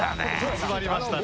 集まりましたね。